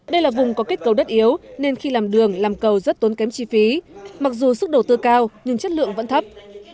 đây là vùng có kết cấu đất yếu nên khi làm đường làm cầu rất tốn kém chi phí mặc dù sức đầu tư cao nhưng chất lượng vẫn thấp